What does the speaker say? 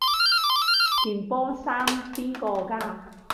件波衫邊個㗎？